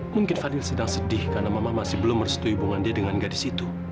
mungkin fadil sedang sedih karena mama masih belum merestu hubungan dia dengan gadis itu